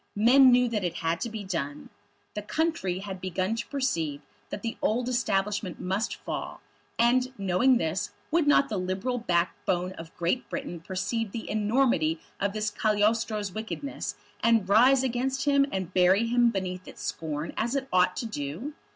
Men knew that it had to be done. The country had begun to perceive that the old Establishment must fall; and, knowing this, would not the Liberal backbone of Great Britain perceive the enormity of this Cagliostro's wickedness, and rise against him and bury him beneath its scorn as it ought to do?